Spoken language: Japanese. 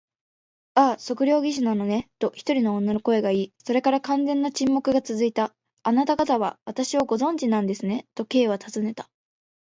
「ああ、測量技師なのね」と、一人の女の声がいい、それから完全な沈黙がつづいた。「あなたがたは私をご存じなんですね？」と、Ｋ はたずねた。